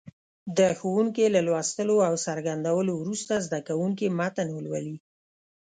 د ښوونکي له لوستلو او څرګندونو وروسته زده کوونکي متن ولولي.